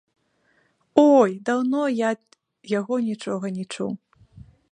Ой, даўно я ад яго нічога не чуў.